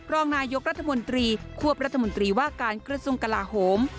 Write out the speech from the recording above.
รองนายกรัฐมนตรีควบรัฐมนตรีว่าการกระทรวงกลาโหม